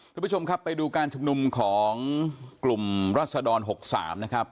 คุณผู้ชมครับไปดูการชุมนุมของกลุ่มรัศดร๖๓นะครับ